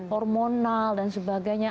hormonal dan sebagainya